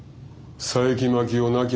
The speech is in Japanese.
佐伯真樹夫亡き